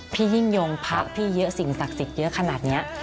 พี่ยิ่งยงพระพี่เยอะสิ่งศักดิ์สิทธิ์เยอะขนาดนี้